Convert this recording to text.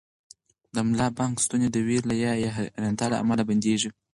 د ملا بانګ ستونی د وېرې یا حیرانتیا له امله بندېږي.